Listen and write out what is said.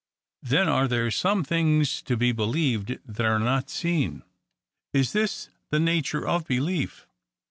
Then are there some things to be believed that are not seen ? Is this the nature of belief